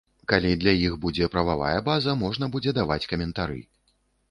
Калі для іх будзе прававая база, можна будзе даваць каментары.